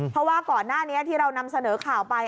เพราะว่าก่อนหน้านี้ที่เรานำเสนอข่าวไป